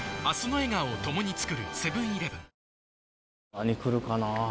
何来るかな？